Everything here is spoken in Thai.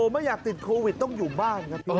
ไม่อยากติดโควิดต้องอยู่บ้าน